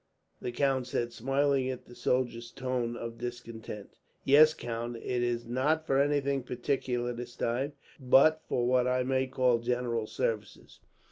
the count said, smiling at the soldier's tone of discontent. "Yes, count. It is not for anything particular this time, but for what I may call general services.